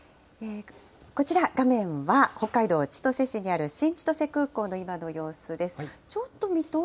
こちら、画面は北海道千歳市にある新千歳空港の今の様子です。